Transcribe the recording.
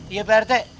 iya peh rute